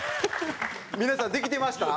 皆さんできてました？